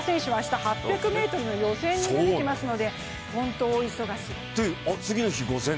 田中選手は明日８００ｍの予選に出てきますので本当、大忙し。